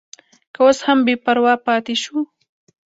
که اوس هم بې پروا پاتې شو.